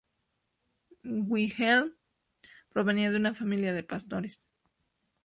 Wilhelm provenía de una familia de pastores.